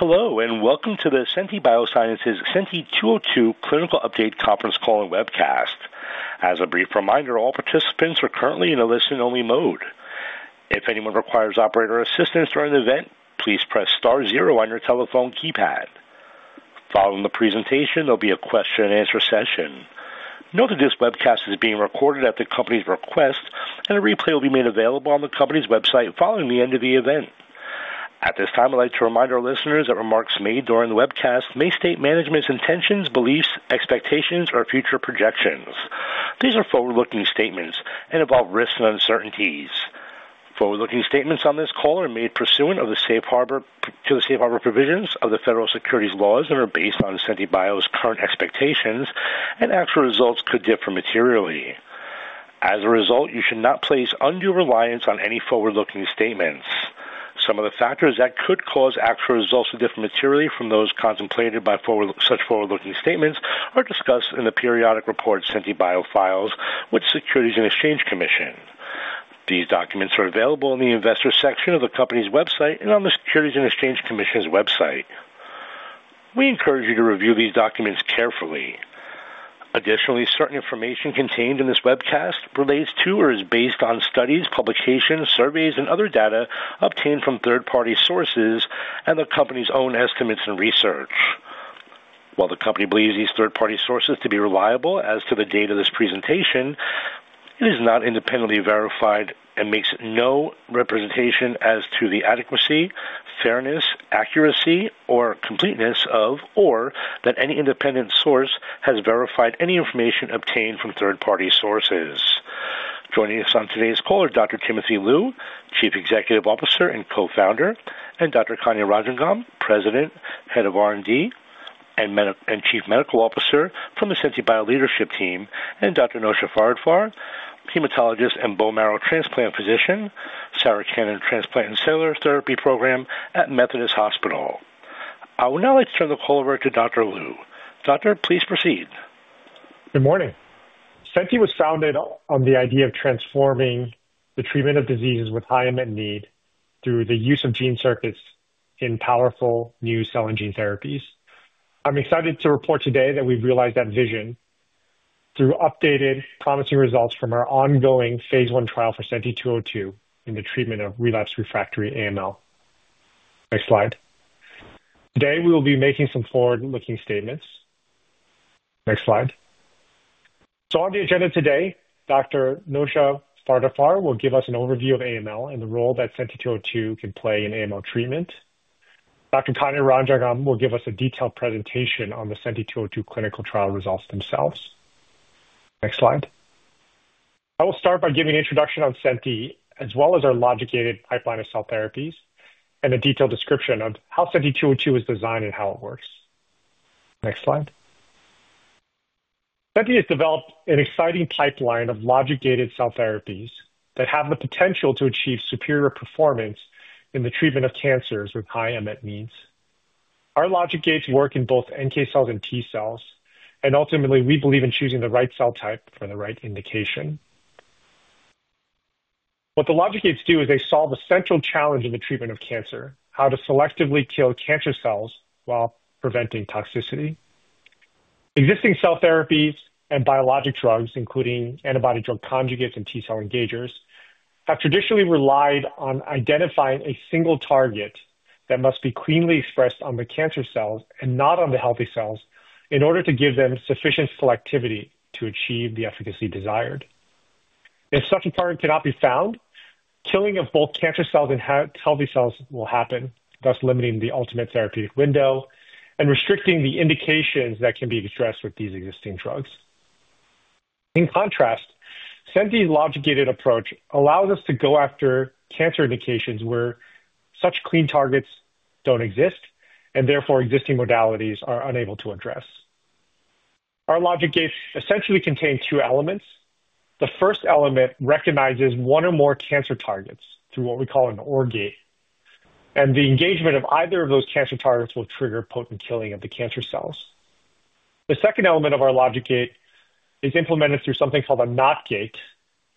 Hello, and welcome to the Senti Biosciences Senti 202 Clinical Update Conference Call and Webcast. As a brief reminder, all participants are currently in a listen-only mode. If anyone requires operator assistance during the event, please press star zero on your telephone keypad. Following the presentation, there'll be a question-and-answer session. Note that this webcast is being recorded at the company's request, and a replay will be made available on the company's website following the end of the event. At this time, I'd like to remind our listeners that remarks made during the webcast may state management's intentions, beliefs, expectations, or future projections. These are forward-looking statements and involve risks and uncertainties. Forward-looking statements on this call are made pursuant to the safe harbor provisions of the federal securities laws and are based on Senti Biosciences' current expectations, and actual results could differ materially. As a result, you should not place undue reliance on any forward-looking statements. Some of the factors that could cause actual results to differ materially from those contemplated by such forward-looking statements are discussed in the periodic report Senti Bio files with the Securities and Exchange Commission. These documents are available in the investor section of the company's website and on the Securities and Exchange Commission's website. We encourage you to review these documents carefully. Additionally, certain information contained in this webcast relates to or is based on studies, publications, surveys, and other data obtained from third-party sources and the company's own estimates and research. While the company believes these third-party sources to be reliable as to the date of this presentation, it is not independently verified and makes no representation as to the adequacy, fairness, accuracy, or completeness of, or that any independent source has verified any information obtained from third-party sources. Joining us on today's call are Dr. Timothy Lu, Chief Executive Officer and Co-founder, and Dr. Kanya Rajangam, President, Head of R&D and Chief Medical Officer from the Senti Bio leadership team, and Dr. Nosha Farhadfar, Hematologist and Bone Marrow Transplant Physician, Sarah Cannon Transplant and Cellular Therapy Program at Methodist Hospital. I would now like to turn the call over to Dr. Lu. Doctor, please proceed. Good morning. Senti was founded on the idea of transforming the treatment of diseases with high imminent need through the use of gene circuits in powerful new cell and gene therapies. I'm excited to report today that we've realized that vision through updated, promising results from our ongoing phase 1 trial for Senti 202 in the treatment of relapsed refractory AML. Next slide. Today, we will be making some forward-looking statements. Next slide. So on the agenda today, Dr. Nosha Farhadfar will give us an overview of AML and the role that Senti 202 can play in AML treatment. Dr. Kanya Rajangam will give us a detailed presentation on the Senti 202 clinical trial results themselves. Next slide. I will start by giving an introduction on Senti, as well as our logic-gated pipeline of cell therapies, and a detailed description of how Senti 202 is designed and how it works. Next slide. Senti has developed an exciting pipeline of logic-gated cell therapies that have the potential to achieve superior performance in the treatment of cancers with high unmet needs. Our logic gates work in both NK cells and T cells, and ultimately, we believe in choosing the right cell type for the right indication. What the logic gates do is they solve a central challenge in the treatment of cancer: how to selectively kill cancer cells while preventing toxicity. Existing cell therapies and biologic drugs, including antibody drug conjugates and T cell engagers, have traditionally relied on identifying a single target that must be cleanly expressed on the cancer cells and not on the healthy cells in order to give them sufficient selectivity to achieve the efficacy desired. If such a target cannot be found, killing of both cancer cells and healthy cells will happen, thus limiting the ultimate therapeutic window and restricting the indications that can be expressed with these existing drugs. In contrast, Senti's logic-gated approach allows us to go after cancer indications where such clean targets don't exist, and therefore existing modalities are unable to address. Our logic gates essentially contain two elements. The first element recognizes one or more cancer targets through what we call an OR gate, and the engagement of either of those cancer targets will trigger potent killing of the cancer cells. The second element of our logic gate is implemented through something called a NOT gate,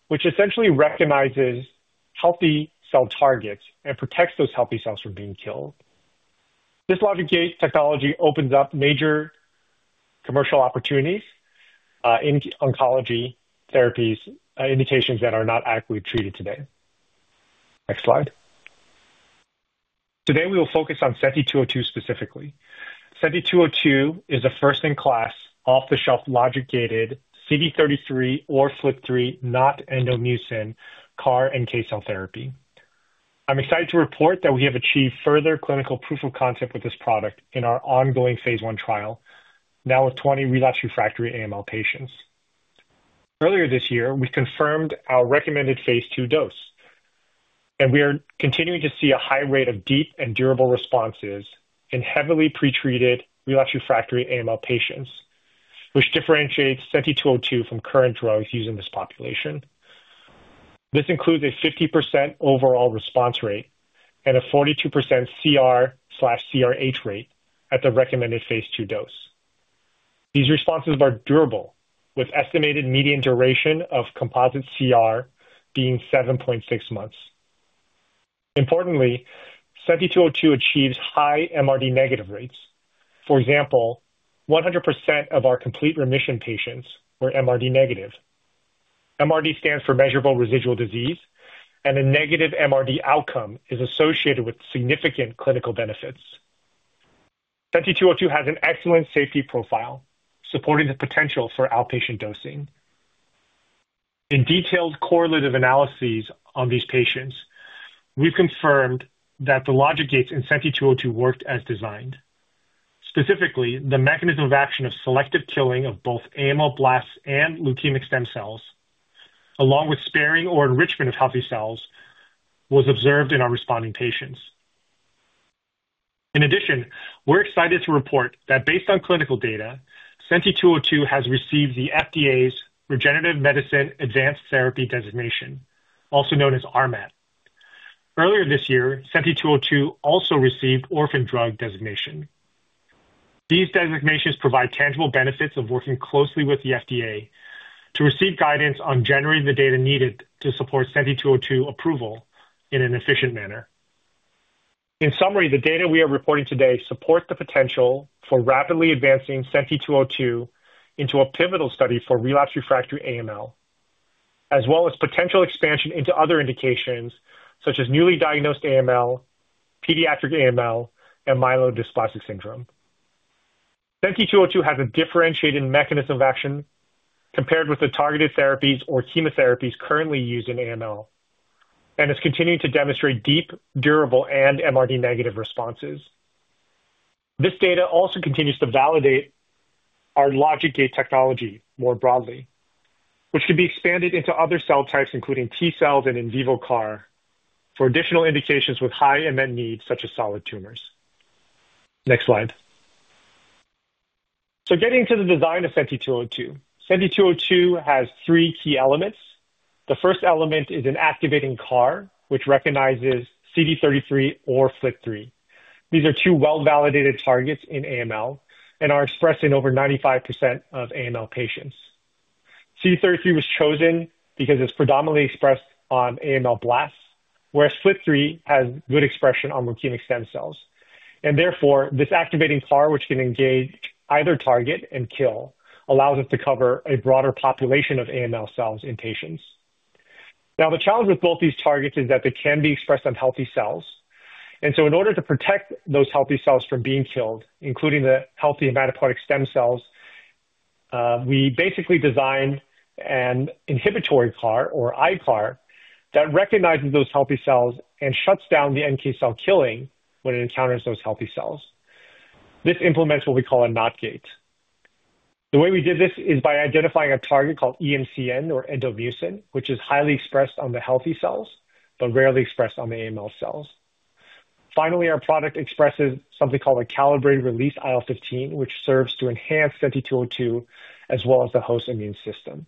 which essentially recognizes healthy cell targets and protects those healthy cells from being killed. This logic gate technology opens up major commercial opportunities in oncology therapies' indications that are not adequately treated today. Next slide. Today, we will focus on Senti 202 specifically. Senti 202 is a first-in-class off-the-shelf logic-gated CD33 or FLT3 NOT endomucin CAR-NK cell therapy. I'm excited to report that we have achieved further clinical proof of concept with this product in our ongoing phase 1 trial, now with 20 relapsed refractory AML patients. Earlier this year, we confirmed our recommended phase 2 dose, and we are continuing to see a high rate of deep and durable responses in heavily pretreated relapsed refractory AML patients, which differentiates Senti 202 from current drugs used in this population. This includes a 50% overall response rate and a 42% CR/CRh rate at the recommended phase 2 dose. These responses are durable, with estimated median duration of composite CR being 7.6 months. Importantly, Senti 202 achieves high MRD negative rates. For example, 100% of our complete remission patients were MRD negative. MRD stands for measurable residual disease, and a negative MRD outcome is associated with significant clinical benefits. Senti 202 has an excellent safety profile, supporting the potential for outpatient dosing. In detailed correlative analyses on these patients, we've confirmed that the logic gates in Senti 202 worked as designed. Specifically, the mechanism of action of selective killing of both AML blasts and leukemic stem cells, along with sparing or enrichment of healthy cells, was observed in our responding patients. In addition, we're excited to report that based on clinical data, Senti 202 has received the FDA's Regenerative Medicine Advanced Therapy designation, also known as RMAT. Earlier this year, Senti 202 also received Orphan Drug designation. These designations provide tangible benefits of working closely with the FDA to receive guidance on generating the data needed to support Senti 202 approval in an efficient manner. In summary, the data we are reporting today support the potential for rapidly advancing Senti 202 into a pivotal study for relapsed refractory AML, as well as potential expansion into other indications such as newly diagnosed AML, pediatric AML, and myelodysplastic syndrome. Senti 202 has a differentiated mechanism of action compared with the targeted therapies or chemotherapies currently used in AML, and is continuing to demonstrate deep, durable, and MRD negative responses. This data also continues to validate our logic gate technology more broadly, which can be expanded into other cell types, including T cells and in vivo CAR, for additional indications with high unmet needs, such as solid tumors. Next slide. So getting to the design of Senti 202, Senti 202 has three key elements. The first element is an activating CAR, which recognizes CD33 or FLT3. These are two well-validated targets in AML and are expressed in over 95% of AML patients. CD33 was chosen because it's predominantly expressed on AML blasts, whereas FLT3 has good expression on leukemic stem cells. And therefore, this activating CAR, which can engage either target and kill, allows us to cover a broader population of AML cells in patients. Now, the challenge with both these targets is that they can be expressed on healthy cells. And so, in order to protect those healthy cells from being killed, including the healthy hematopoietic stem cells, we basically designed an inhibitory CAR or ICAR that recognizes those healthy cells and shuts down the NK cell killing when it encounters those healthy cells. This implements what we call a NOT gate. The way we did this is by identifying a target called EMCN or Endomucin, which is highly expressed on the healthy cells but rarely expressed on the AML cells. Finally, our product expresses something called a calibrated release IL-15, which serves to enhance Senti 202 as well as the host immune system.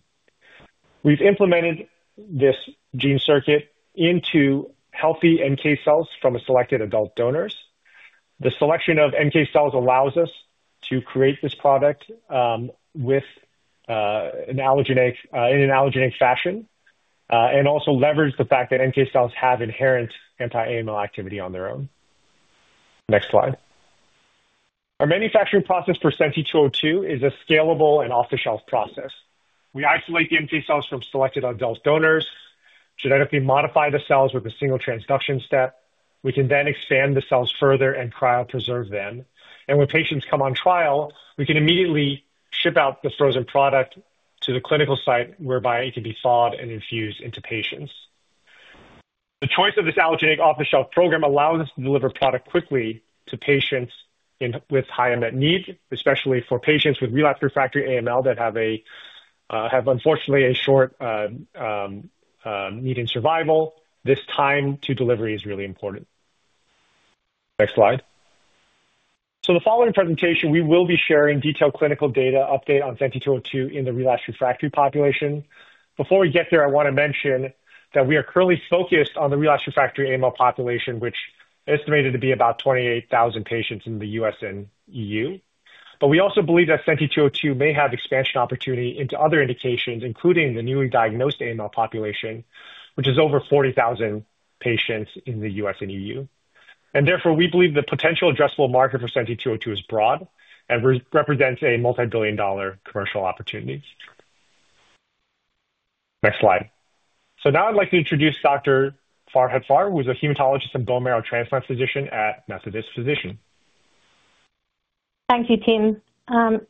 We've implemented this gene circuit into healthy NK cells from selected adult donors. The selection of NK cells allows us to create this product in an allogeneic fashion and also leverage the fact that NK cells have inherent anti-AML activity on their own. Next slide. Our manufacturing process for Senti 202 is a scalable and off-the-shelf process. We isolate the NK cells from selected adult donors, genetically modify the cells with a single transduction step. We can then expand the cells further and cryopreserve them. When patients come on trial, we can immediately ship out the frozen product to the clinical site, whereby it can be thawed and infused into patients. The choice of this allogeneic off-the-shelf program allows us to deliver product quickly to patients with high unmet needs, especially for patients with relapsed refractory AML that have, unfortunately, a short median survival. This time to delivery is really important. Next slide. In the following presentation, we will be sharing detailed clinical data update on Senti 202 in the relapsed refractory population. Before we get there, I want to mention that we are currently focused on the relapsed refractory AML population, which is estimated to be about 28,000 patients in the U.S. and E.U. But we also believe that Senti 202 may have expansion opportunity into other indications, including the newly diagnosed AML population, which is over 40,000 patients in the U.S. and E.U. And therefore, we believe the potential addressable market for Senti 202 is broad and represents a multi-billion dollar commercial opportunity. Next slide. So now I'd like to introduce Dr. Farhadfar, who is a hematologist and bone marrow transplant physician at Methodist Hospital. Thank you, Tim.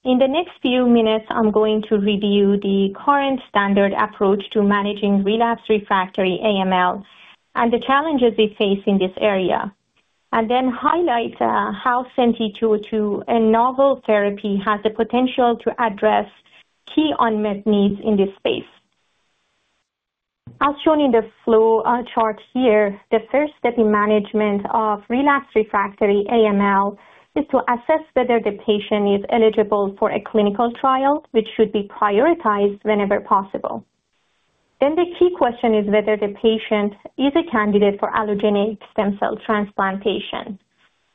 In the next few minutes, I'm going to review the current standard approach to managing relapsed refractory AML and the challenges we face in this area, and then highlight how Senti 202, a novel therapy, has the potential to address key unmet needs in this space. As shown in the flow chart here, the first step in management of relapsed refractory AML is to assess whether the patient is eligible for a clinical trial, which should be prioritized whenever possible. Then the key question is whether the patient is a candidate for allogeneic stem cell transplantation,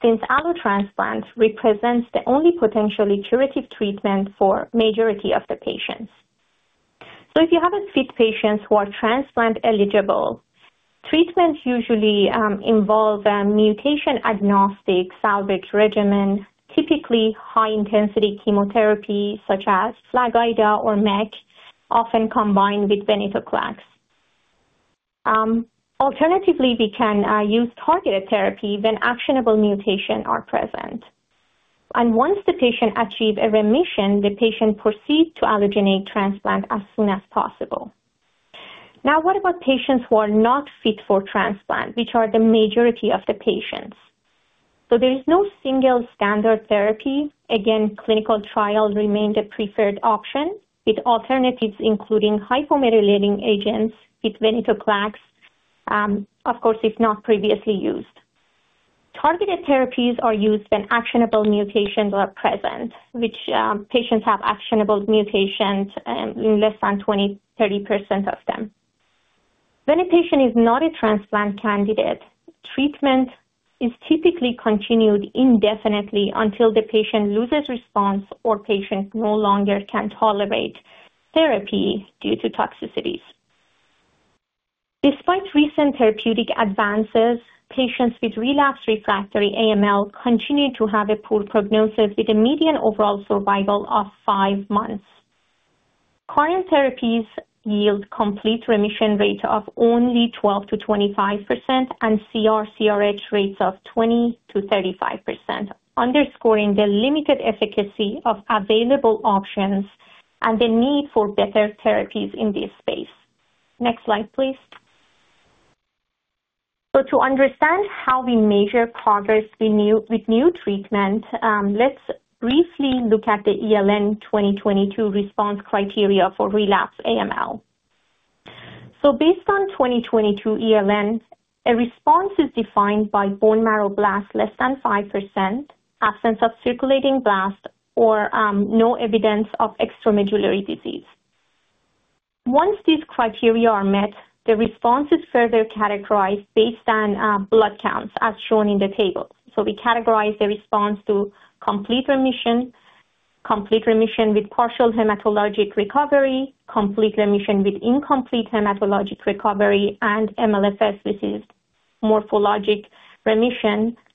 since allotransplant represents the only potentially curative treatment for the majority of the patients. So if you have a few patients who are transplant eligible, treatments usually involve a mutation-agnostic salvage regimen, typically high-intensity chemotherapy such as FLAG-IDA or MEC, often combined with venetoclax. Alternatively, we can use targeted therapy when actionable mutations are present. And once the patient achieves a remission, the patient proceeds to allogeneic transplant as soon as possible. Now, what about patients who are not fit for transplant, which are the majority of the patients? So there is no single standard therapy. Again, clinical trial remains a preferred option with alternatives, including hypomethylating agents with venetoclax, of course, if not previously used. Targeted therapies are used when actionable mutations are present, which patients have actionable mutations in less than 20%-30% of them. When a patient is not a transplant candidate, treatment is typically continued indefinitely until the patient loses response or the patient no longer can tolerate therapy due to toxicities. Despite recent therapeutic advances, patients with relapsed refractory AML continue to have a poor prognosis with a median overall survival of five months. Current therapies yield complete remission rates of only 12%-25% and CR/CRh rates of 20%-35%, underscoring the limited efficacy of available options and the need for better therapies in this space. Next slide, please. So to understand how we measure progress with new treatment, let's briefly look at the ELN 2022 response criteria for relapsed AML. So based on 2022 ELN, a response is defined by bone marrow blasts less than 5%, absence of circulating blasts, or no evidence of extramedullary disease. Once these criteria are met, the response is further categorized based on blood counts, as shown in the table. So we categorize the response to complete remission, complete remission with partial hematologic recovery, complete remission with incomplete hematologic recovery, and MLFS, morphologic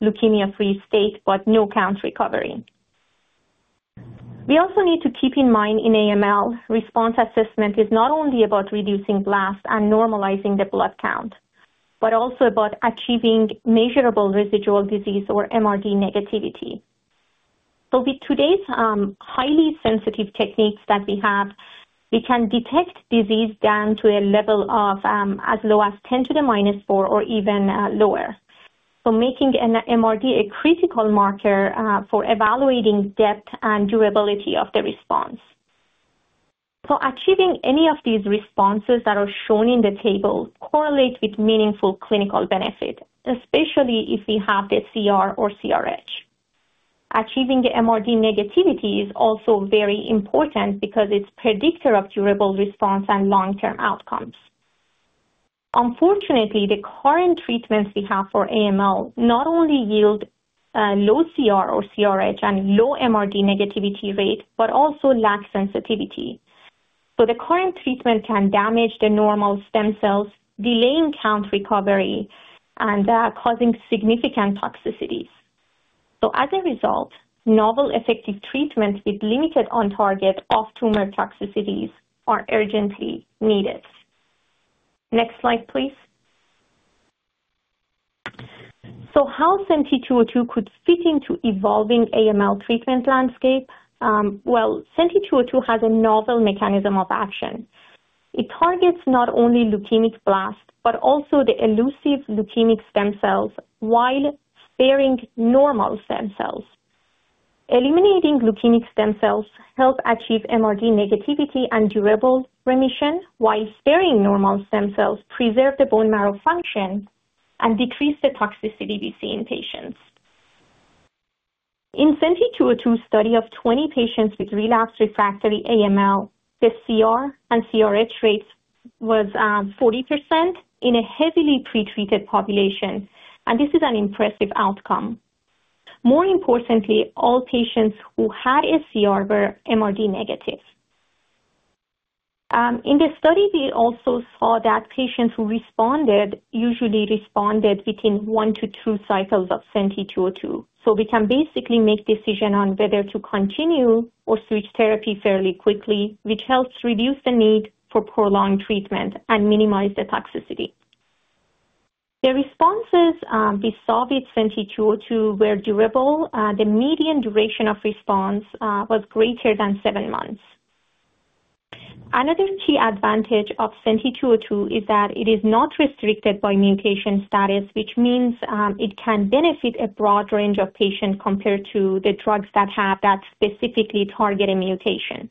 leukemia-free state, but no count recovery. We also need to keep in mind in AML, response assessment is not only about reducing blasts and normalizing the blood count, but also about achieving measurable residual disease or MRD negativity. So with today's highly sensitive techniques that we have, we can detect disease down to a level of as low as 10 to the -4 or even lower, making MRD a critical marker for evaluating depth and durability of the response. So achieving any of these responses that are shown in the table correlates with meaningful clinical benefit, especially if we have the CR or CRh. Achieving the MRD negativity is also very important because it's a predictor of durable response and long-term outcomes. Unfortunately, the current treatments we have for AML not only yield low CR or CRh and low MRD negativity rate, but also lack sensitivity. So the current treatment can damage the normal stem cells, delaying count recovery and causing significant toxicities. So as a result, novel effective treatments with limited on-target off-tumor toxicities are urgently needed. Next slide, please. So how Senti 202 could fit into evolving AML treatment landscape? Well, Senti 202 has a novel mechanism of action. It targets not only leukemic blasts, but also the elusive leukemic stem cells while sparing normal stem cells. Eliminating leukemic stem cells helps achieve MRD negativity and durable remission, while sparing normal stem cells preserves the bone marrow function and decreases the toxicity we see in patients. In Senti 202, a study of 20 patients with relapsed refractory AML, the CR and CRh rates were 40% in a heavily pretreated population. And this is an impressive outcome. More importantly, all patients who had a CR were MRD negative. In the study, we also saw that patients who responded usually responded within one to two cycles of Senti 202. So we can basically make a decision on whether to continue or switch therapy fairly quickly, which helps reduce the need for prolonged treatment and minimize the toxicity. The responses we saw with Senti 202 were durable. The median duration of response was greater than seven months. Another key advantage of Senti 202 is that it is not restricted by mutation status, which means it can benefit a broad range of patients compared to the drugs that have that specifically targeted mutation.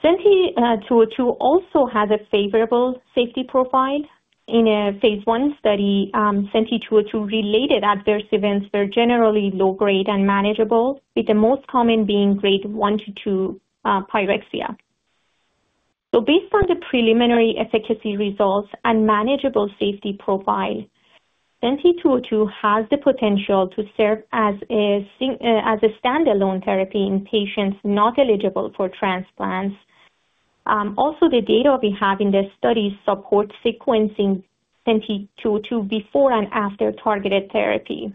Senti 202 also has a favorable safety profile. In a phase 1 study, Senti 202-related adverse events were generally low-grade and manageable, with the most common being grade one to two pyrexia. Based on the preliminary efficacy results and manageable safety profile, Senti 202 has the potential to serve as a standalone therapy in patients not eligible for transplants. Also, the data we have in this study supports sequencing Senti 202 before and after targeted therapy.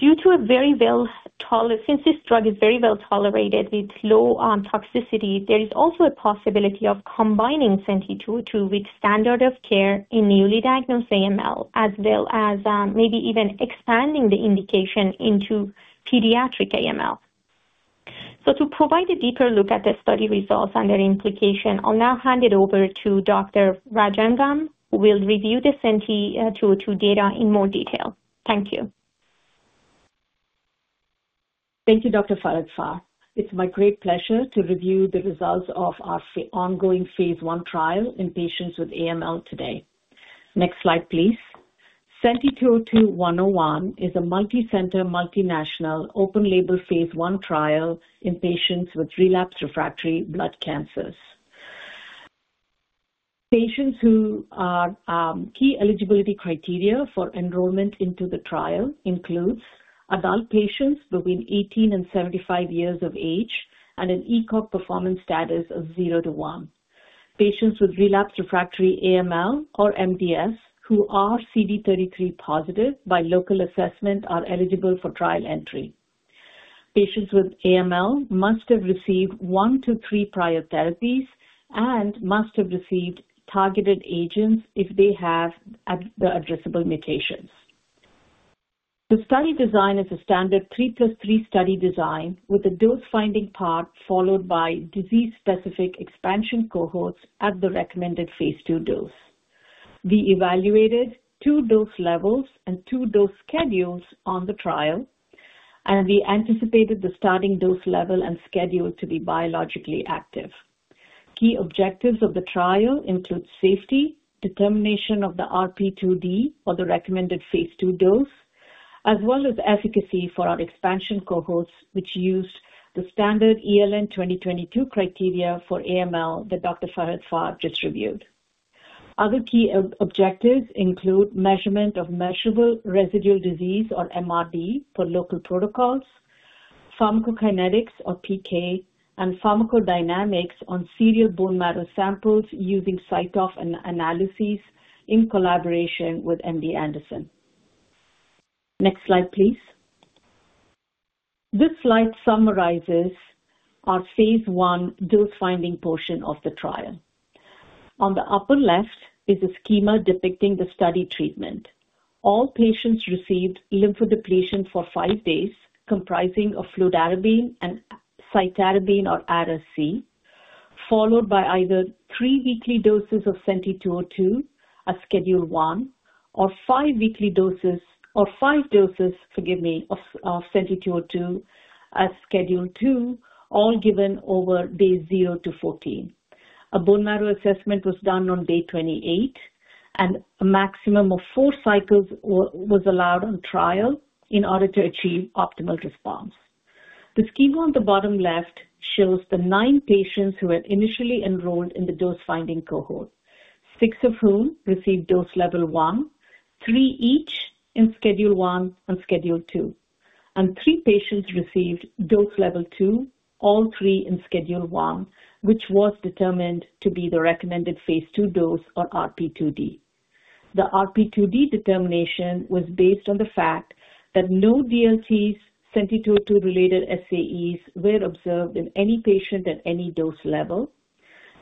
Since this drug is very well-tolerated with low toxicity, there is also a possibility of combining Senti 202 with standard of care in newly diagnosed AML, as well as maybe even expanding the indication into pediatric AML. To provide a deeper look at the study results and their implication, I'll now hand it over to Dr. Rajangam, who will review the Senti 202 data in more detail. Thank you. Thank you, Dr. Farhadfar. It's my great pleasure to review the results of our ongoing phase 1 trial in patients with AML today. Next slide, please. Senti 202-101 is a multicenter multinational open-label phase 1 trial in patients with relapsed refractory blood cancers. The key eligibility criteria for enrollment into the trial include adult patients between 18 and 75 years of age and an ECOG performance status of zero to one. Patients with relapsed refractory AML or MDS who are CD33 positive by local assessment are eligible for trial entry. Patients with AML must have received one to three prior therapies and must have received targeted agents if they have the addressable mutations. The study design is a standard 3 plus 3 study design with a dose-finding part followed by disease-specific expansion cohorts at the recommended phase 2 dose. We evaluated two dose levels and two dose schedules on the trial, and we anticipated the starting dose level and schedule to be biologically active. Key objectives of the trial include safety, determination of the RP2D for the recommended phase two dose, as well as efficacy for our expansion cohorts, which used the standard ELN 2022 criteria for AML that Dr. Farhadfar just reviewed. Other key objectives include measurement of measurable residual disease or MRD for local protocols, pharmacokinetics or PK, and pharmacodynamics on serial bone marrow samples using CyTOF analyses in collaboration with MD Anderson. Next slide, please. This slide summarizes our phase one dose-finding portion of the trial. On the upper left is a schema depicting the study treatment. All patients received lymphodepletion for five days, comprising of fludarabine and cytarabine or Ara-C, followed by either three weekly doses of Senti 202 at schedule one or five weekly doses or five doses, forgive me, of Senti 202 at schedule two, all given over days 0 to 14. A bone marrow assessment was done on day 28, and a maximum of four cycles was allowed on trial in order to achieve optimal response. The schema on the bottom left shows the nine patients who were initially enrolled in the dose-finding cohort, six of whom received dose level one, three each in schedule one and schedule two, and three patients received dose level two, all three in schedule one, which was determined to be the recommended phase two dose or RP2D. The RP2D determination was based on the fact that no DLTs, Senti 202-related SAEs were observed in any patient at any dose level,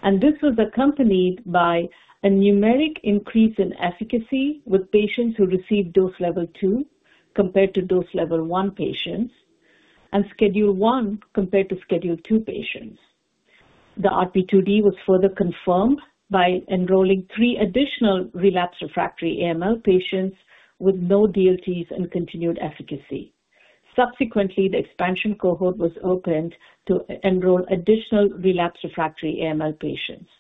and this was accompanied by a numeric increase in efficacy with patients who received dose level two compared to dose level one patients and schedule one compared to schedule two patients. The RP2D was further confirmed by enrolling three additional relapsed refractory AML patients with no DLTs and continued efficacy. Subsequently, the expansion cohort was opened to enroll additional relapsed refractory AML patients.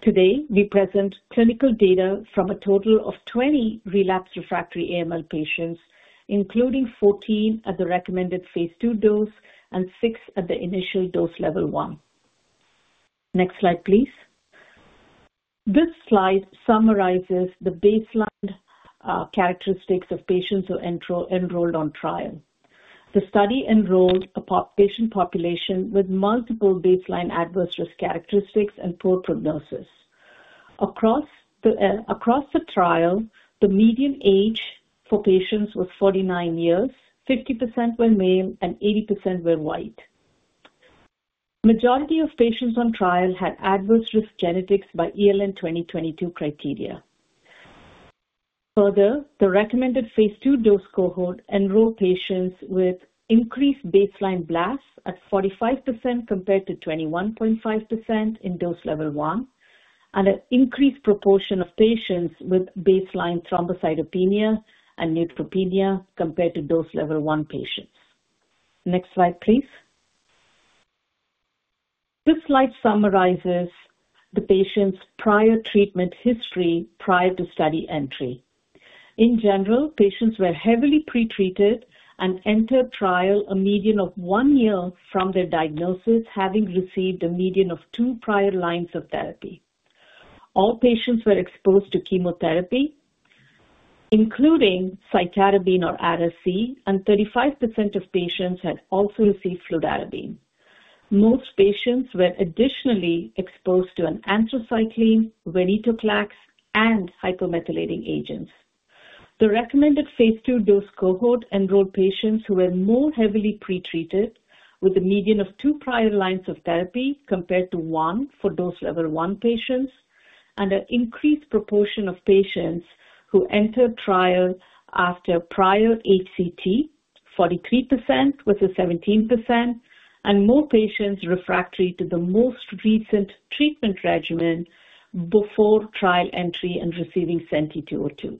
Today, we present clinical data from a total of 20 relapsed refractory AML patients, including 14 at the recommended phase 2 dose and six at the initial dose level one. Next slide, please. This slide summarizes the baseline characteristics of patients who enrolled on trial. The study enrolled a patient population with multiple baseline adverse risk characteristics and poor prognosis. Across the trial, the median age for patients was 49 years. 50% were male and 80% were white. The majority of patients on trial had adverse risk genetics by ELN 2022 criteria. Further, the recommended phase two dose cohort enrolled patients with increased baseline blasts at 45% compared to 21.5% in dose level one and an increased proportion of patients with baseline thrombocytopenia and neutropenia compared to dose level one patients. Next slide, please. This slide summarizes the patient's prior treatment history prior to study entry. In general, patients were heavily pretreated and entered trial a median of one year from their diagnosis, having received a median of two prior lines of therapy. All patients were exposed to chemotherapy, including cytarabine or ARA-C, and 35% of patients had also received fludarabine. Most patients were additionally exposed to anthracycline, venetoclax, and hypomethylating agents. The recommended phase 2 dose cohort enrolled patients who were more heavily pretreated with a median of two prior lines of therapy compared to one for dose level one patients and an increased proportion of patients who entered trial after prior HCT, 43% versus 17%, and more patients refractory to the most recent treatment regimen before trial entry and receiving Senti 202,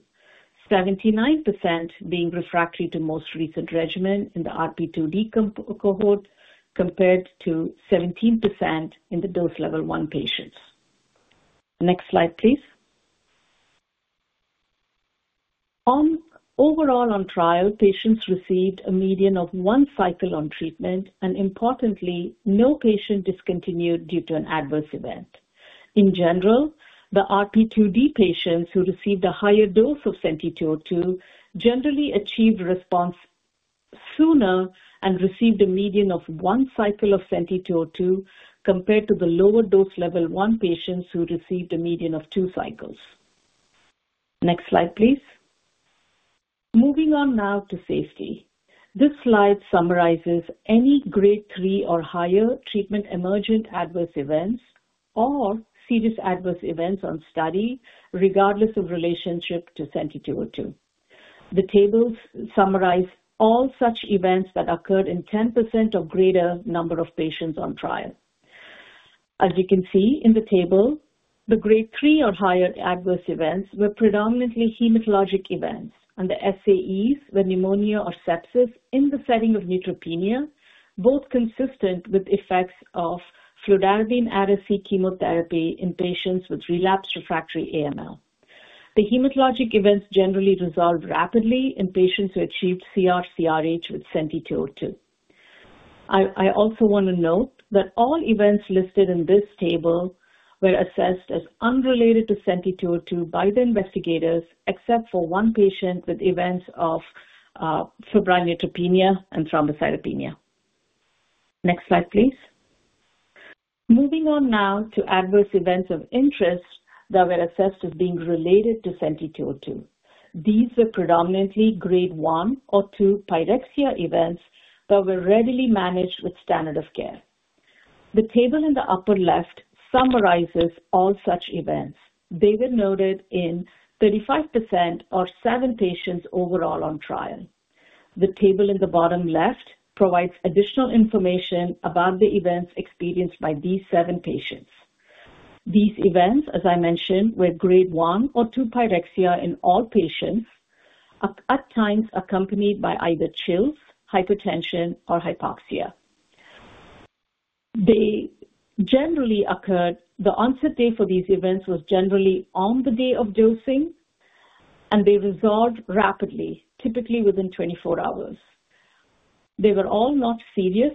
79% being refractory to most recent regimen in the RP2D cohort compared to 17% in the dose level one patients. Next slide, please. Overall, on trial, patients received a median of one cycle on treatment, and importantly, no patient discontinued due to an adverse event. In general, the RP2D patients who received a higher dose of Senti 202 generally achieved response sooner and received a median of one cycle of Senti 202 compared to the lower dose level one patients who received a median of two cycles. Next slide, please. Moving on now to safety. This slide summarizes any grade three or higher treatment emergent adverse events or serious adverse events on study, regardless of relationship to Senti 202. The tables summarize all such events that occurred in 10% or greater number of patients on trial. As you can see in the table, the grade three or higher adverse events were predominantly hematologic events, and the SAEs were pneumonia or sepsis in the setting of neutropenia, both consistent with effects of fludarabine/ARA-C chemotherapy in patients with relapsed refractory AML. The hematologic events generally resolved rapidly in patients who achieved CR/CRh with Senti 202. I also want to note that all events listed in this table were assessed as unrelated to Senti 202 by the investigators, except for one patient with events of febrile neutropenia and thrombocytopenia. Next slide, please. Moving on now to adverse events of interest that were assessed as being related to Senti 202. These were predominantly grade one or two pyrexia events that were readily managed with standard of care. The table in the upper left summarizes all such events. They were noted in 35% or seven patients overall on trial. The table in the bottom left provides additional information about the events experienced by these seven patients. These events, as I mentioned, were grade one or two pyrexia in all patients, at times accompanied by either chills, hypertension, or hypoxia. They generally occurred. The onset day for these events was generally on the day of dosing, and they resolved rapidly, typically within 24 hours. They were all not serious,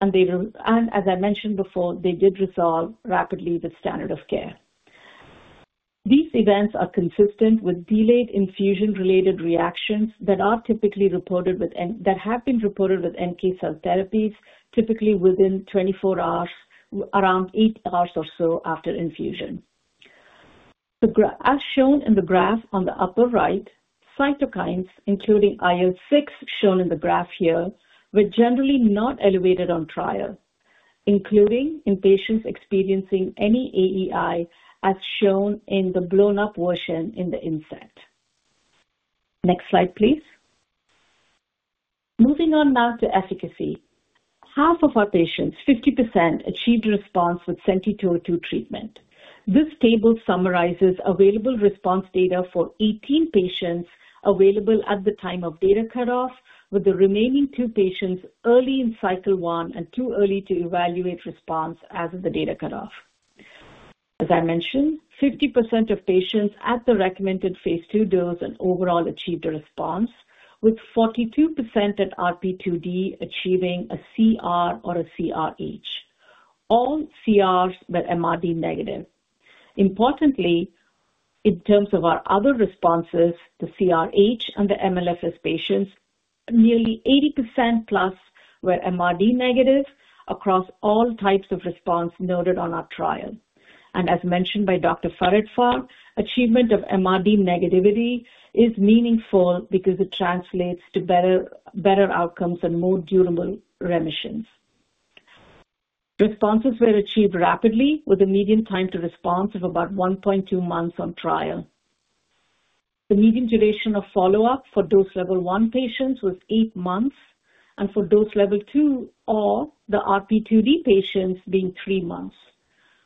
and they were, as I mentioned before, they did resolve rapidly with standard of care. These events are consistent with delayed infusion-related reactions that are typically reported with, that have been reported with NK cell therapies, typically within 24 hours, around eight hours or so after infusion. As shown in the graph on the upper right, cytokines, including IL-6 shown in the graph here, were generally not elevated on trial, including in patients experiencing any AEI, as shown in the blown-up version in the insert. Next slide, please. Moving on now to efficacy. Half of our patients, 50%, achieved response with Senti 202 treatment. This table summarizes available response data for 18 patients available at the time of data cutoff, with the remaining two patients early in cycle one and too early to evaluate response as of the data cutoff. As I mentioned, 50% of patients at the recommended phase 2 dose and overall achieved a response, with 42% at RP2D achieving a CR or a CRh. All CRs were MRD negative. Importantly, in terms of our other responses, the CRh and the MLFS patients, nearly 80% plus were MRD negative across all types of response noted on our trial. As mentioned by Dr. Farhadfar, achievement of MRD negativity is meaningful because it translates to better outcomes and more durable remissions. Responses were achieved rapidly, with a median time to response of about 1.2 months on trial. The median duration of follow-up for dose level one patients was eight months, and for dose level two or the RP2D patients being three months.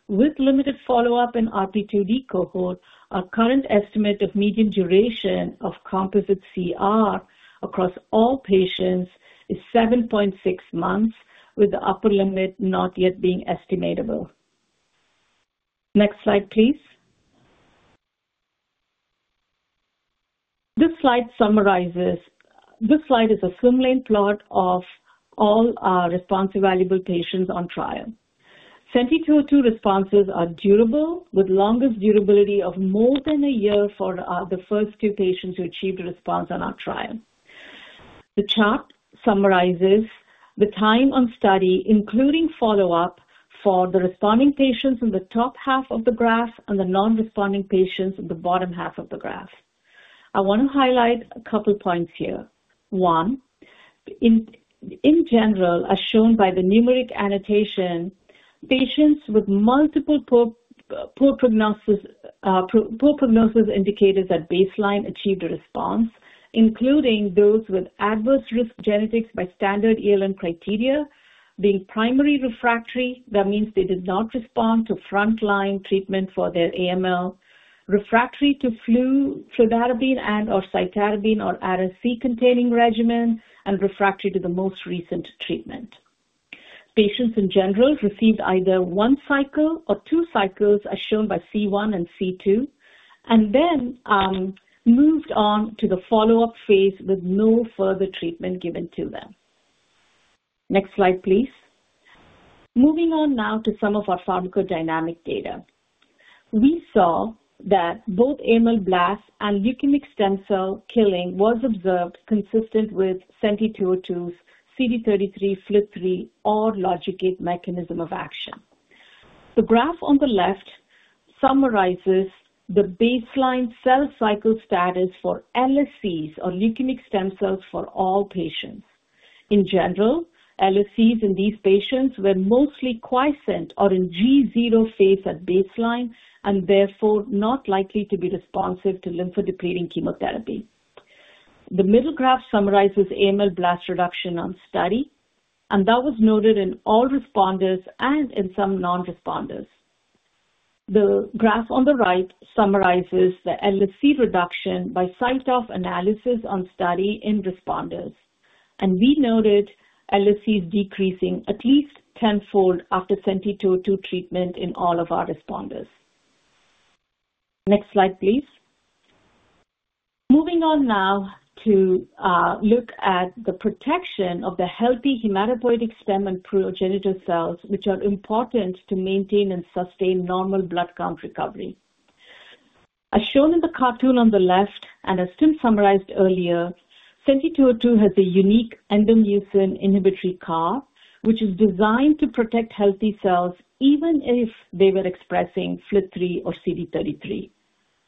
With limited follow-up in RP2D cohort, our current estimate of median duration of composite CR across all patients is 7.6 months, with the upper limit not yet being estimatable. Next slide, please. This slide summarizes. This slide is a swimlane plot of all our response-available patients on trial. Senti 202 responses are durable, with longest durability of more than a year for the first two patients who achieved a response on our trial. The chart summarizes the time on study, including follow-up for the responding patients in the top half of the graph and the non-responding patients in the bottom half of the graph. I want to highlight a couple of points here. One, in general, as shown by the numeric annotation, patients with multiple poor prognosis indicators at baseline achieved a response, including those with adverse risk genetics by standard ELN criteria being primary refractory. That means they did not respond to frontline treatment for their AML, refractory to fludarabine and/or cytarabine or ARA-C containing regimen, and refractory to the most recent treatment. Patients in general received either one cycle or two cycles, as shown by C1 and C2, and then moved on to the follow-up phase with no further treatment given to them. Next slide, please. Moving on now to some of our pharmacodynamic data. We saw that both AML blasts and leukemic stem cell killing were observed consistent with Senti 202's CD33/FLT3 or logic gate mechanism of action. The graph on the left summarizes the baseline cell cycle status for LSCs or leukemic stem cells for all patients. In general, LSCs in these patients were mostly quiescent or in G0 phase at baseline and therefore not likely to be responsive to lymphodepleting chemotherapy. The middle graph summarizes AML blast reduction on study, and that was noted in all responders and in some non-responders. The graph on the right summarizes the LSC reduction by CyTOF analysis on study in responders, and we noted LSCs decreasing at least tenfold after Senti 202 treatment in all of our responders. Next slide, please. Moving on now to look at the protection of the healthy hematopoietic stem and progenitor cells, which are important to maintain and sustain normal blood count recovery. As shown in the cartoon on the left and as Tim summarized earlier, Senti 202 has a unique endomucin inhibitory circuit, which is designed to protect healthy cells even if they were expressing FLT3 or CD33.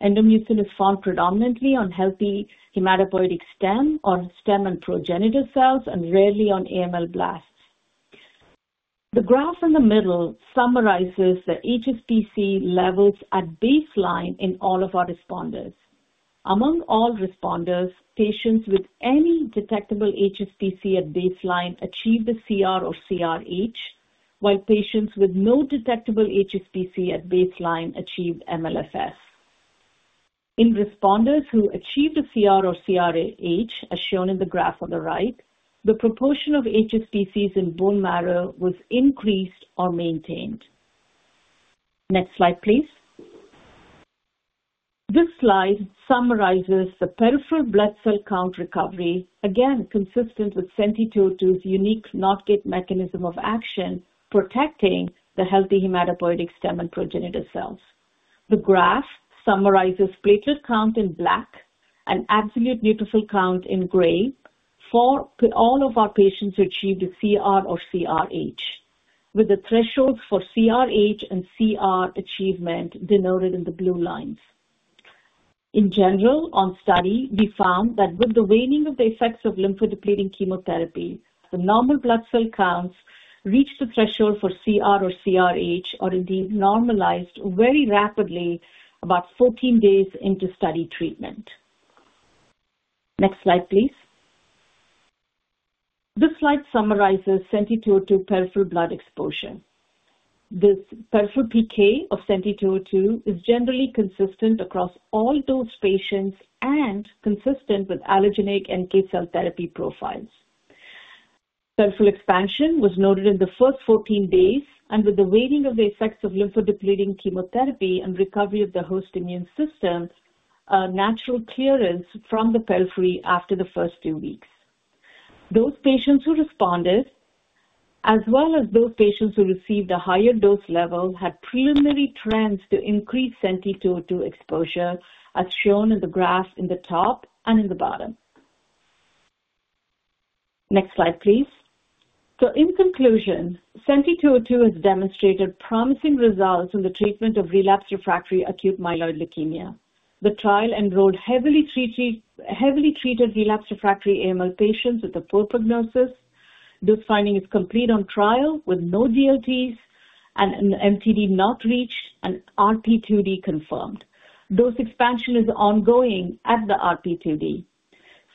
Endomucin is found predominantly on healthy hematopoietic stem or stem and progenitor cells and rarely on AML blasts. The graph in the middle summarizes the HSPC levels at baseline in all of our responders. Among all responders, patients with any detectable HSPC at baseline achieved a CR or CRh, while patients with no detectable HSPC at baseline achieved MLFS. In responders who achieved a CR or CRh, as shown in the graph on the right, the proportion of HSPCs in bone marrow was increased or maintained. Next slide, please. This slide summarizes the peripheral blood cell count recovery, again consistent with Senti 202's unique NOT gate mechanism of action, protecting the healthy hematopoietic stem and progenitor cells. The graph summarizes platelet count in black and absolute neutrophil count in gray for all of our patients who achieved a CR or CRh, with the thresholds for CRh and CR achievement denoted in the blue lines. In general, on study, we found that with the waning of the effects of lymphodepleting chemotherapy, the normal blood cell counts reached the threshold for CR or CRh, or indeed normalized very rapidly about 14 days into study treatment. Next slide, please. This slide summarizes Senti 202 peripheral blood exposure. This peripheral PK of Senti 202 is generally consistent across all those patients and consistent with allogeneic NK cell therapy profiles. Peripheral expansion was noted in the first 14 days, and with the waning of the effects of lymphodepleting chemotherapy and recovery of the host immune system, a natural clearance from the periphery after the first few weeks. Those patients who responded, as well as those patients who received a higher dose level, had preliminary trends to increase Senti 202 exposure, as shown in the graph in the top and in the bottom. Next slide, please. So in conclusion, Senti 202 has demonstrated promising results in the treatment of relapsed refractory acute myeloid leukemia. The trial enrolled heavily treated relapsed refractory AML patients with a poor prognosis. This finding is complete on trial with no DLTs, an MTD not reached, and RP2D confirmed. Dose expansion is ongoing at the RP2D.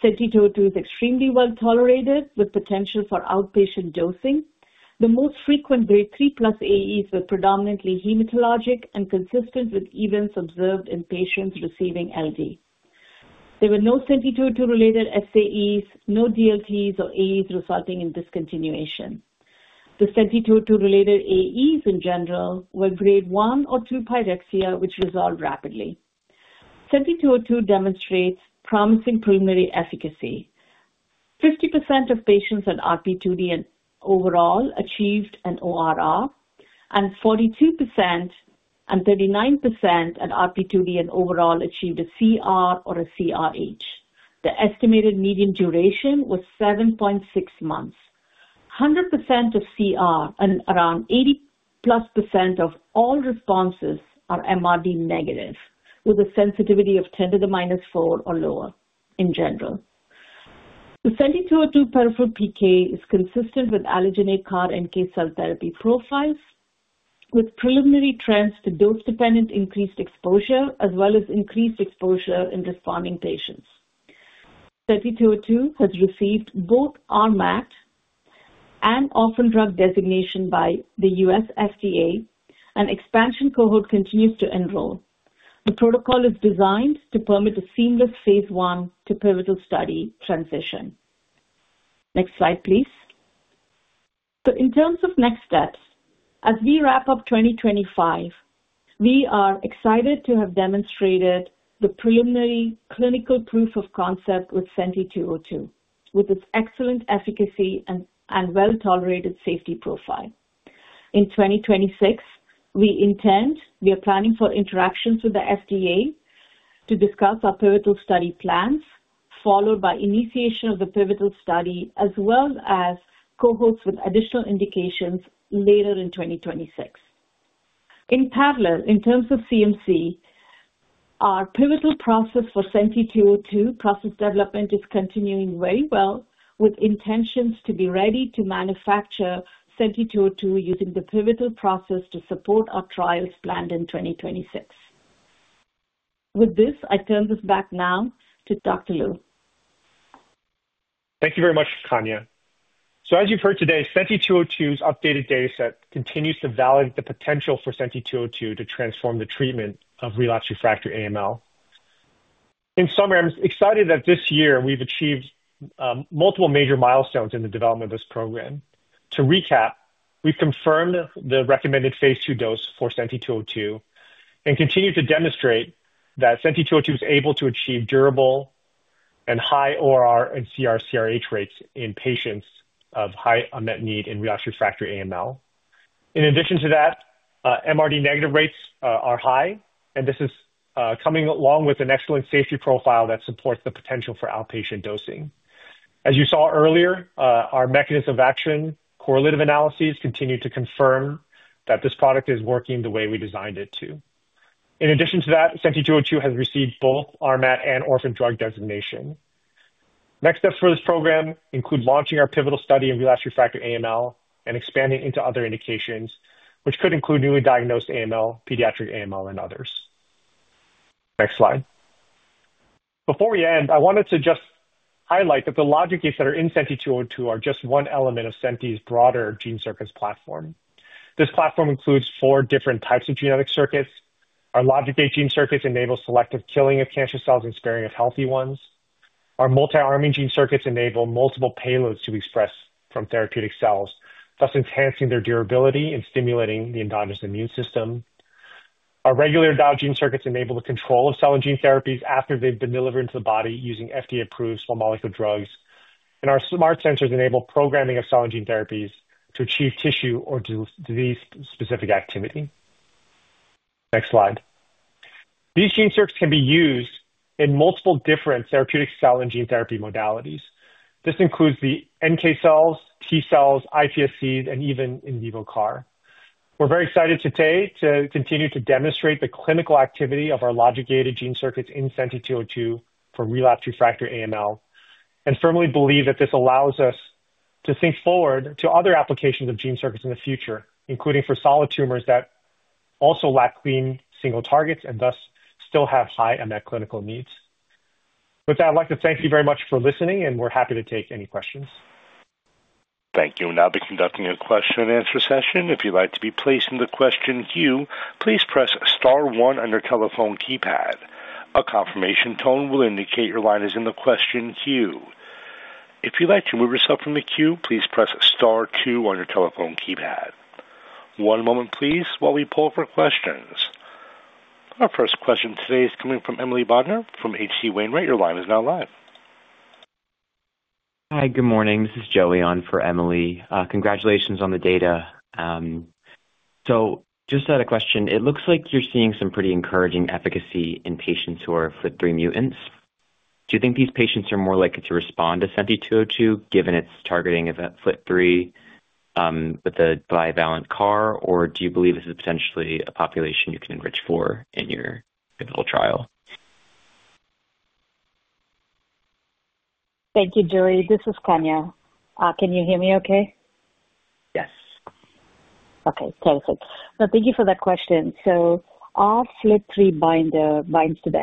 Senti 202 is extremely well tolerated with potential for outpatient dosing. The most frequent grade three plus AEs were predominantly hematologic and consistent with events observed in patients receiving LD. There were no Senti 202-related SAEs, no DLTs, or AEs resulting in discontinuation. The Senti 202-related AEs in general were grade one or two pyrexia, which resolved rapidly. Senti 202 demonstrates promising preliminary efficacy. 50% of patients at RP2D and overall achieved an ORR, and 42% and 39% at RP2D and overall achieved a CR or a CRh. The estimated median duration was 7.6 months. 100% of CR and around 80+% of all responses are MRD negative, with a sensitivity of 10 to the minus four or lower in general. The Senti 202 peripheral PK is consistent with allogeneic CAR NK cell therapy profiles, with preliminary trends to dose-dependent increased exposure, as well as increased exposure in responding patients. Senti 202 has received both RMAT and Orphan Drug designation by the U.S. FDA, and expansion cohort continues to enroll. The protocol is designed to permit a seamless phase one to pivotal study transition. Next slide, please. So in terms of next steps, as we wrap up 2025, we are excited to have demonstrated the preliminary clinical proof of concept with Senti 202, with its excellent efficacy and well-tolerated safety profile. In 2026, we intend, we are planning for interactions with the FDA to discuss our pivotal study plans, followed by initiation of the pivotal study, as well as cohorts with additional indications later in 2026. In parallel, in terms of CMC, our pivotal process for Senti 202 process development is continuing very well, with intentions to be ready to manufacture Senti 202 using the pivotal process to support our trials planned in 2026. With this, I turn this back now to Dr. Lu. Thank you very much, Kanya. So as you've heard today, Senti 202's updated dataset continues to validate the potential for Senti 202 to transform the treatment of relapsed refractory AML. In summary, I'm excited that this year we've achieved multiple major milestones in the development of this program. To recap, we've confirmed the recommended phase 2 dose for Senti 202 and continue to demonstrate that Senti 202 is able to achieve durable and high ORR and CR/CRh rates in patients of high unmet need in relapsed refractory AML. In addition to that, MRD negative rates are high, and this is coming along with an excellent safety profile that supports the potential for outpatient dosing. As you saw earlier, our mechanism of action, correlative analyses continue to confirm that this product is working the way we designed it to. In addition to that, Senti 202 has received both RMAT and orphan drug designation. Next steps for this program include launching our pivotal study in relapsed refractory AML and expanding into other indications, which could include newly diagnosed AML, pediatric AML, and others. Next slide. Before we end, I wanted to just highlight that the logic gates that are in Senti 202 are just one element of Senti's broader gene circuits platform. This platform includes four different types of genetic circuits. Our logic gate gene circuits enable selective killing of cancer cells and sparing of healthy ones. Our multi-arming gene circuits enable multiple payloads to be expressed from therapeutic cells, thus enhancing their durability and stimulating the endogenous immune system. Our regulatable gene circuits enable the control of cell and gene therapies after they've been delivered into the body using FDA-approved small molecule drugs, and our smart sensors enable programming of cell and gene therapies to achieve tissue or disease-specific activity. Next slide. These gene circuits can be used in multiple different therapeutic cell and gene therapy modalities. This includes the NK cells, T cells, iPSCs, and even in vivo CAR. We're very excited today to continue to demonstrate the clinical activity of our logic gated gene circuits in Senti 202 for relapsed refractory AML and firmly believe that this allows us to think forward to other applications of gene circuits in the future, including for solid tumors that also lack clean single targets and thus still have high unmet clinical needs. With that, I'd like to thank you very much for listening, and we're happy to take any questions. Thank you. Now I'll be conducting a question and answer session. If you'd like to be placed in the question queue, please press star one on your telephone keypad. A confirmation tone will indicate your line is in the question queue. If you'd like to move yourself from the queue, please press star two on your telephone keypad. One moment, please, while we pull up our questions. Our first question today is coming from Emily Bodner from H.C. Wainwright. Your line is now live. Hi, good morning. This is Joey on for Emily. Congratulations on the data. So just to add a question, it looks like you're seeing some pretty encouraging efficacy in patients who are FLT3 mutants. Do you think these patients are more likely to respond to Senti 202 given its targeting of FLT3 with the bivalent CAR, or do you believe this is potentially a population you can enrich for in your pivotal trial? Thank you, Joey. This is Kanya. Can you hear me okay? Yes. Okay, terrific. So thank you for that question. So all FLT3 binders bind to the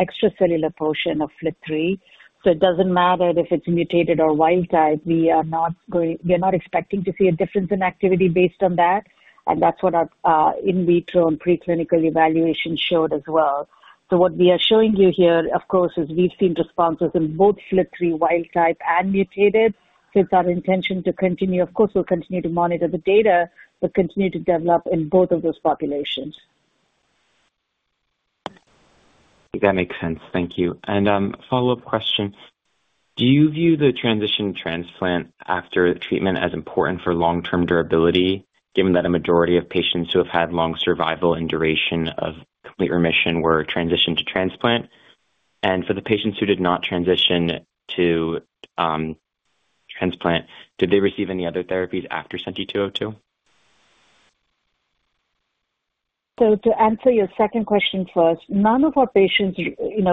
extracellular portion of FLT3, so it doesn't matter if it's mutated or wild type. We are not expecting to see a difference in activity based on that, and that's what our in vitro and preclinical evaluation showed as well. So what we are showing you here, of course, is we've seen responses in both FLT3 wild type and mutated, so it's our intention to continue, of course, we'll continue to monitor the data, but continue to develop in both of those populations. That makes sense. Thank you. And follow-up questions. Do you view the transition to transplant after treatment as important for long-term durability, given that a majority of patients who have had long survival and duration of complete remission were transitioned to transplant? And for the patients who did not transition to transplant, did they receive any other therapies after Senti 202? To answer your second question first, none of our patients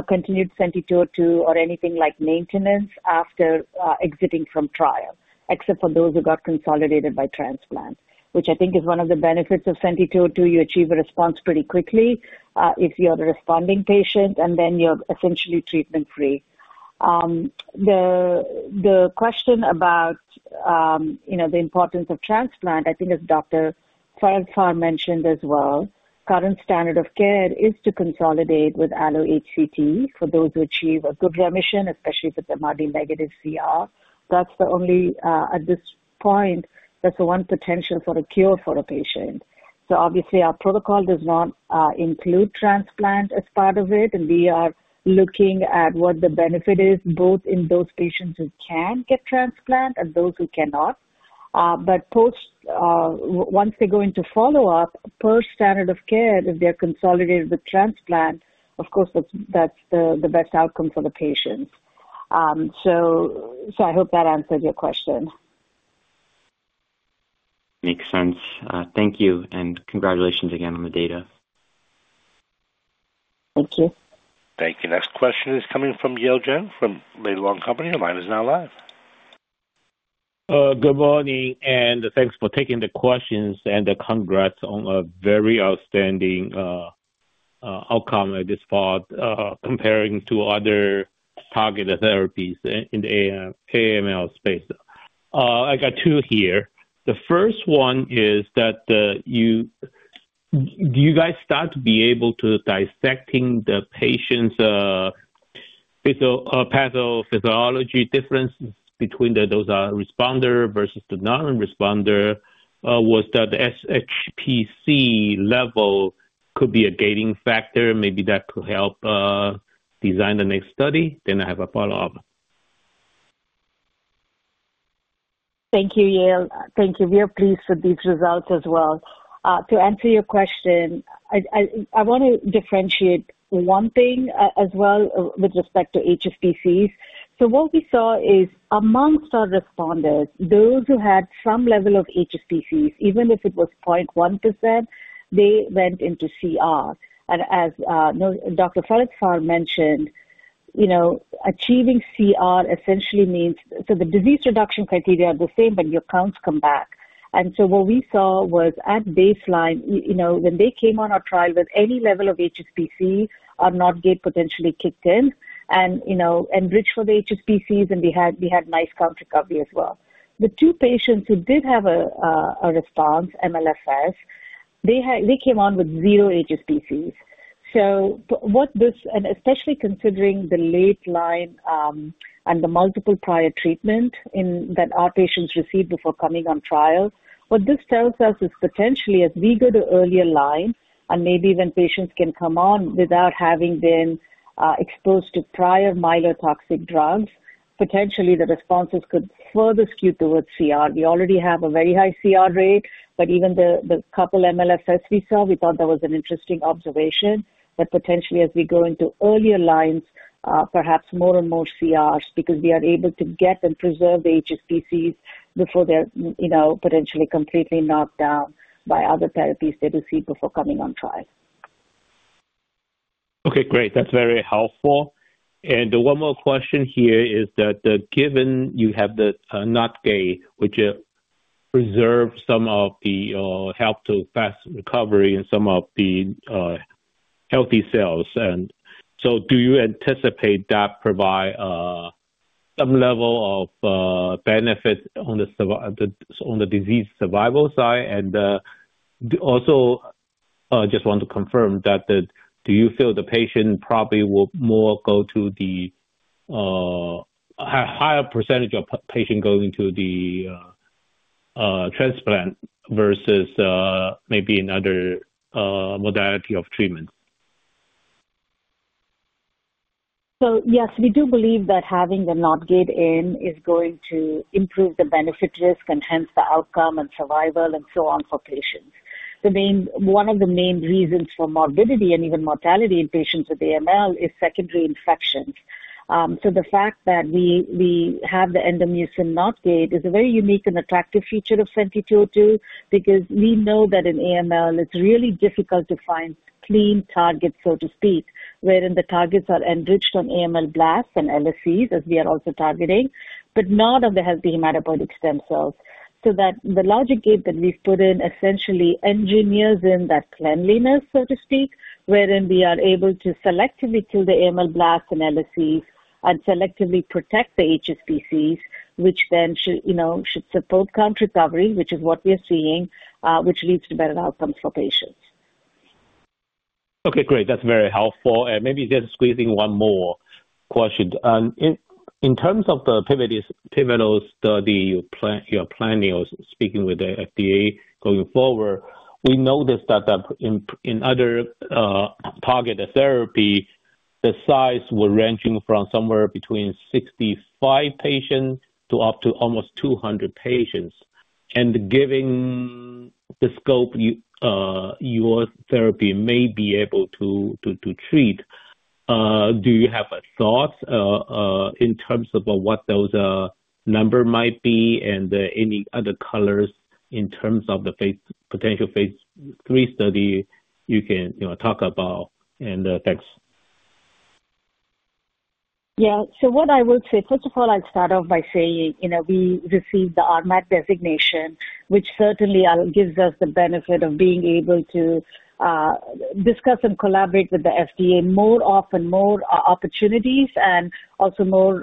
continued Senti 202 or anything like maintenance after exiting from trial, except for those who got consolidated by transplant, which I think is one of the benefits of Senti 202. You achieve a response pretty quickly if you're a responding patient, and then you're essentially treatment-free. The question about the importance of transplant, I think, as Dr. Farhadfar mentioned as well, current standard of care is to consolidate with alloHCT for those who achieve a good remission, especially if it's MRD negative CR. That's the only, at this point, that's the one potential for a cure for a patient. Obviously, our protocol does not include transplant as part of it, and we are looking at what the benefit is both in those patients who can get transplant and those who cannot. But once they go into follow-up, per standard of care, if they're consolidated with transplant, of course, that's the best outcome for the patients. So I hope that answered your question. Makes sense. Thank you, and congratulations again on the data. Thank you. Thank you. Next question is coming from Yale Jen from Laidlaw & Company. Your line is now live. Good morning, and thanks for taking the questions, and congrats on a very outstanding outcome at this part comparing to other targeted therapies in the AML space. I got two here. The first one is that do you guys start to be able to dissect the patient's pathophysiology differences between those responders versus the non-responders? Was that the HSPC level could be a gating factor? Maybe that could help design the next study? Then I have a follow-up. Thank you, Yale. Thank you. We are pleased with these results as well. To answer your question, I want to differentiate one thing as well with respect to HSPCs. So what we saw is among our responders, those who had some level of HSPCs, even if it was 0.1%, they went into CR. And as Dr. Farhadfar mentioned, achieving CR essentially means so the disease reduction criteria are the same, but your counts come back. And so what we saw was at baseline, when they came on our trial with any level of HSPC, our NOT gate potentially kicked in and enriched for the HSPCs, and we had nice count recovery as well. The two patients who did have a response, MLFS, they came on with zero HSPCs. So what this, and especially considering the late line and the multiple prior treatment that our patients received before coming on trial, what this tells us is potentially as we go to earlier line and maybe when patients can come on without having been exposed to prior myelotoxic drugs, potentially the responses could further skew towards CR. We already have a very high CR rate, but even the couple MLFS we saw, we thought that was an interesting observation that potentially as we go into earlier lines, perhaps more and more CRs because we are able to get and preserve the HSPCs before they're potentially completely knocked down by other therapies they received before coming on trial. Okay, great. That's very helpful. One more question here is that given you have the NOT gate, which preserves some of the help to fast recovery and some of the healthy cells, and so do you anticipate that provides some level of benefit on the disease-free survival side? Also, I just want to confirm that do you feel the patient probably will more go to the higher percentage of patients going to the transplant versus maybe another modality of treatment? Yes, we do believe that having the NOT gate in is going to improve the benefit-risk and hence the outcome and survival and so on for patients. One of the main reasons for morbidity and even mortality in patients with AML is secondary infections. The fact that we have the Endomucin NOT gate is a very unique and attractive feature of Senti 202 because we know that in AML, it is really difficult to find clean targets, so to speak, wherein the targets are enriched on AML blasts and LSCs, as we are also targeting, but not on the healthy hematopoietic stem cells. The logic gate that we have put in essentially engineers in that cleanliness, so to speak, wherein we are able to selectively kill the AML blasts and LSCs and selectively protect the HSPCs, which then should support hematopoietic recovery, which is what we are seeing, which leads to better outcomes for patients. Okay, great. That is very helpful. Maybe just squeezing one more question. In terms of the pivotal study you're planning or speaking with the FDA going forward, we noticed that in other targeted therapy, the size were ranging from somewhere between 65 patients to up to almost 200 patients. And given the scope your therapy may be able to treat, do you have thoughts in terms of what those numbers might be and any other colors in terms of the potential phase 3 study you can talk about? And thanks. Yeah, so what I will say, first of all, I'd start off by saying we received the RMAT designation, which certainly gives us the benefit of being able to discuss and collaborate with the FDA more often, more opportunities, and also more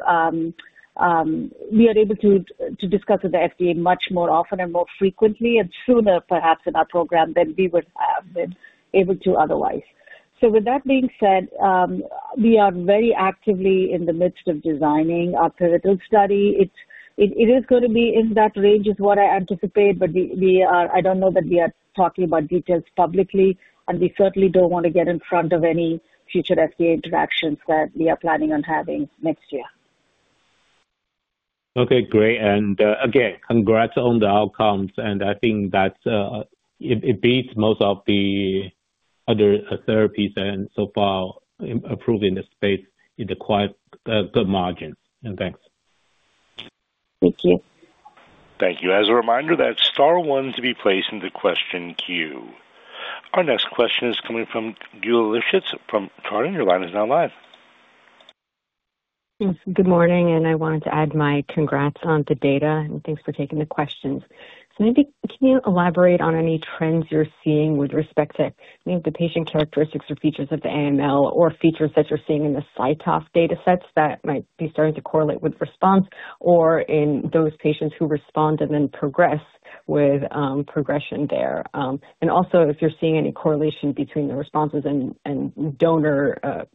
we are able to discuss with the FDA much more often and more frequently and sooner, perhaps, in our program than we would have been able to otherwise. So with that being said, we are very actively in the midst of designing our pivotal study. It is going to be in that range is what I anticipate, but I don't know that we are talking about details publicly, and we certainly don't want to get in front of any future FDA interactions that we are planning on having next year. Okay, great. And again, congrats on the outcomes, and I think that it beats most of the other therapies and so far approved in this space in quite good margins. And thanks. Thank you. Thank you. As a reminder, that star one to be placed in the question queue. Our next question is coming from Geulah Livshits from Chardan. Your line is now live. Thanks. Good morning, and I wanted to add my congrats on the data, and thanks for taking the questions. So maybe can you elaborate on any trends you're seeing with respect to any of the patient characteristics or features of the AML or features that you're seeing in the CyTOF data sets that might be starting to correlate with response or in those patients who respond and then progress with progression there? And also, if you're seeing any correlation between the responses and donor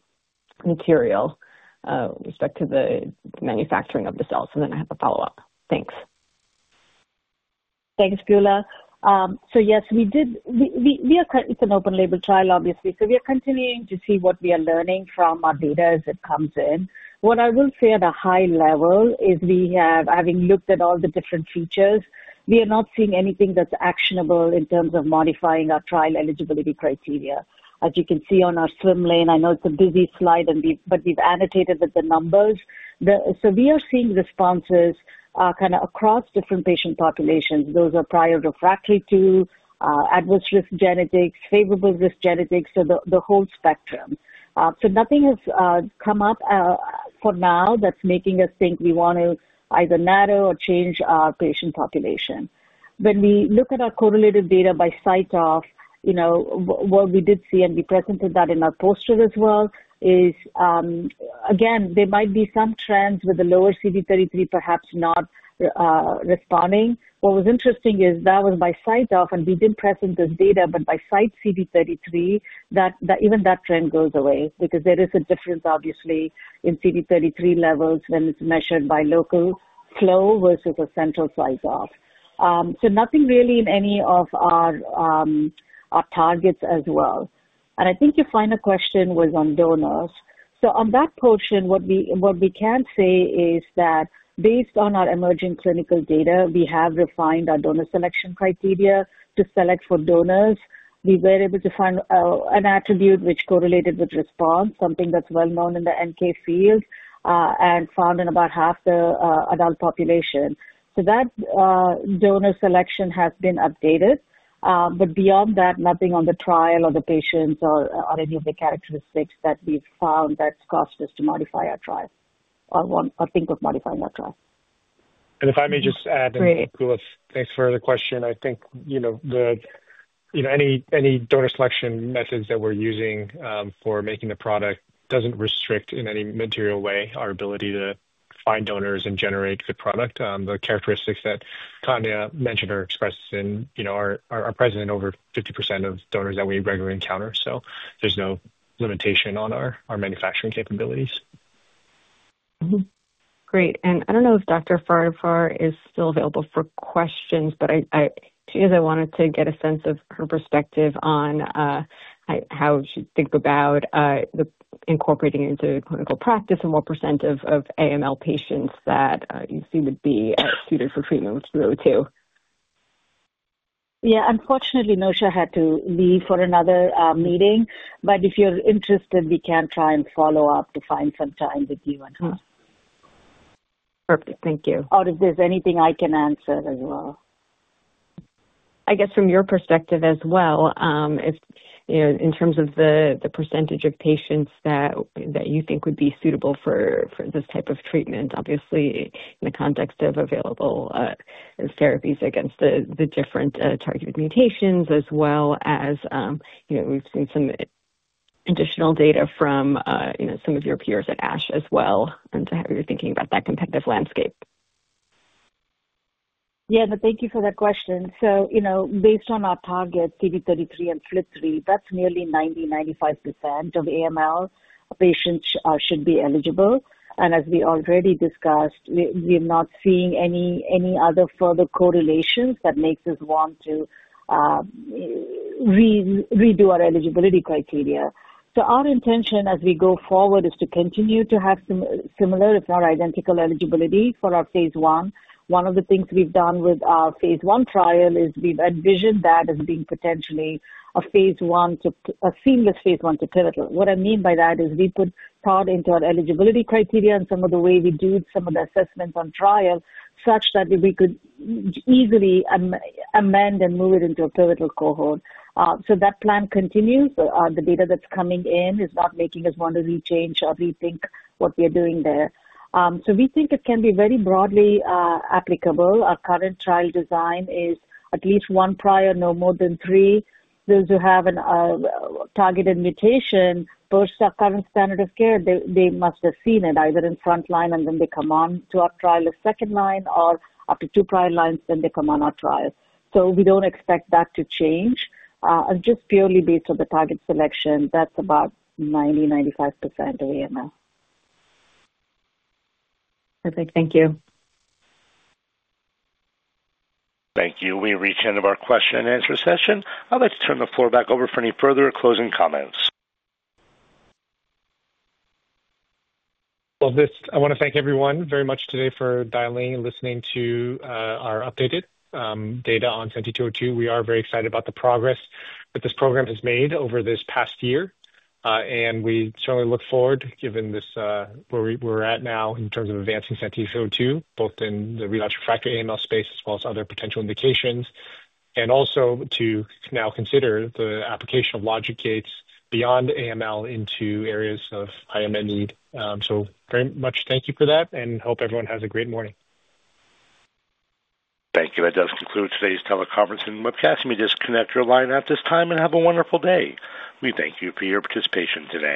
material with respect to the manufacturing of the cells, and then I have a follow-up. Thanks. Thanks, Geulah. So yes, we are currently in an open-label trial, obviously, so we are continuing to see what we are learning from our data as it comes in. What I will say at a high level is we have, having looked at all the different features, we are not seeing anything that's actionable in terms of modifying our trial eligibility criteria. As you can see on our swim lane, I know it's a busy slide, but we've annotated with the numbers. So we are seeing responses kind of across different patient populations. Those are prior refractory to adverse risk genetics, favorable risk genetics, so the whole spectrum. So nothing has come up for now that's making us think we want to either narrow or change our patient population. When we look at our correlated data by CyTOF, what we did see, and we presented that in our poster as well, is again, there might be some trends with the lower CD33 perhaps not responding. What was interesting is that was by CyTOF, and we didn't present this data, but by site CD33, even that trend goes away because there is a difference, obviously, in CD33 levels when it's measured by local flow versus a central CyTOF. Nothing really in any of our targets as well. I think your final question was on donors. On that portion, what we can say is that based on our emerging clinical data, we have refined our donor selection criteria to select for donors. We were able to find an attribute which correlated with response, something that's well known in the NK field, and found in about half the adult population. That donor selection has been updated, but beyond that, nothing on the trial or the patients or any of the characteristics that we've found that's caused us to modify our trial or think of modifying our trial. If I may just add, and thanks for the question. I think any donor selection methods that we're using for making the product doesn't restrict in any material way our ability to find donors and generate good product. The characteristics that Kanya mentioned or expressed are present in over 50% of donors that we regularly encounter, so there's no limitation on our manufacturing capabilities. Great. And I don't know if Dr. Farhadfar is still available for questions, but she is, I wanted to get a sense of her perspective on how she thinks about incorporating it into clinical practice and what percent of AML patients that you see would be suited for treatment with CD33. Yeah. Unfortunately, Nosha had to leave for another meeting, but if you're interested, we can try and follow up to find some time with you and her. Perfect. Thank you, or if there's anything I can answer as well. I guess from your perspective as well, in terms of the percentage of patients that you think would be suitable for this type of treatment, obviously, in the context of available therapies against the different targeted mutations, as well as we've seen some additional data from some of your peers at ASH as well, and to how you're thinking about that competitive landscape? Yeah, but thank you for that question. So based on our target CD33 and FLT3, that's nearly 90%-95% of AML patients should be eligible. And as we already discussed, we are not seeing any other further correlations that make us want to redo our eligibility criteria. So our intention as we go forward is to continue to have similar, if not identical, eligibility for our phase one. One of the things we've done with our phase 1 trial is we've envisioned that as being potentially a phase 1 to a seamless phase 1 to pivotal. What I mean by that is we put thought into our eligibility criteria and some of the way we do some of the assessments on trial such that we could easily amend and move it into a pivotal cohort. So that plan continues. The data that's coming in is not making us want to rechange or rethink what we are doing there. So we think it can be very broadly applicable. Our current trial design is at least one prior, no more than three. Those who have a targeted mutation, post our current standard of care, they must have seen it either in front line and then they come on to our trial as second line, or after two prior lines, then they come on our trial. We don't expect that to change. Just purely based on the target selection, that's about 90%-95% of AML. Perfect. Thank you. Thank you. We reached the end of our question and answer session. I'd like to turn the floor back over for any further closing comments. I want to thank everyone very much today for dialing in and listening to our updated data on Senti 202. We are very excited about the progress that this program has made over this past year, and we certainly look forward, given where we're at now in terms of advancing Senti 202, both in the relapsed/refractory AML space as well as other potential indications, and also to now consider the application of logic gates beyond AML into areas of high unmet need. So very much thank you for that, and hope everyone has a great morning. Thank you. That does conclude today's teleconference and webcast. We will now disconnect your line at this time and have a wonderful day. We thank you for your participation today.